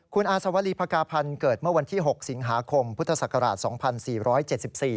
คุณอาสวรีภกาพันธ์เกิดเมื่อวันที่๖สิงหาคมพุทธศักราช๒๔๗๔